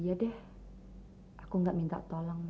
iya deh aku tidak minta tolong mas